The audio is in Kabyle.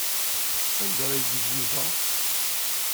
Sanda ad igiǧǧ Yuba?